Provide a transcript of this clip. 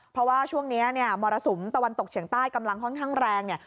เพราะว่าช่วงนี้เนี่ยมรสุมตะวันตกเฉียงใต้กำลังค่อนข้างแรงเนี่ย